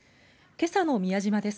けさの宮島です。